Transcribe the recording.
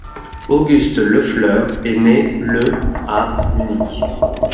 August Löffler est né le à Munich.